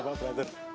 iya pak benar pak